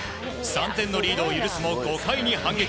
３点のリードを許すも５回に反撃。